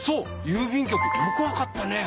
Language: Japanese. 郵便局よくわかったね。